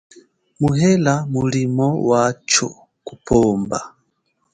Muhela mulimo wacho kupomba.